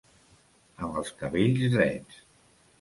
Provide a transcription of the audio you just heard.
Amb els cabells drets.